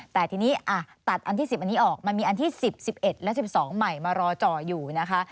แต่ทีนี้ตัดอันที่๑๐อันนี้ออกมันมีอันที่๑๐๑๑และ๑๒ใหม่มารอจ่ออยู่นะคะ